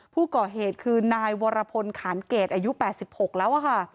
ผู้ก่อเหตุคือนายวรพลขานเกรดอายุ๘๖แล้วค่ะ